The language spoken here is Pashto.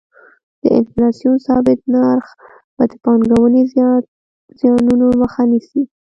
د انفلاسیون ثابت نرخ د پانګونې زیانونو مخه نیسي.